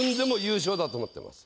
だと思ってます。